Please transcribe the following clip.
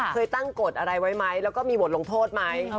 เคยตั้งกฎอะไรไว้มั้ยแล้วก็มีบทลงโทษมั้ย